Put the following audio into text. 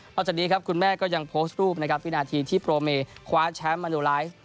จากนี้ครับคุณแม่ก็ยังโพสต์รูปนะครับวินาทีที่โปรเมคว้าแชมป์มาโนไลฟ์